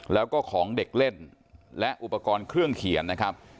แล้วก็ของเด็กเล่นและอุปกรณ์เครื่องเขียนนะครับ